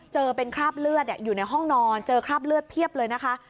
เจอเป็นคราบเลือดอยู่ในห้องนอนเจอคราบเลือดเพียบเลยนะคะ